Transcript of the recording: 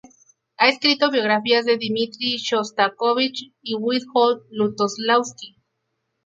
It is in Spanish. Ha escrito biografías de Dmitri Shostakovich y Witold Lutosławski.